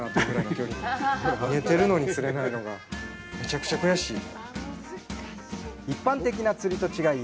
見えてるのに釣れないのがめちゃくちゃ悔しい。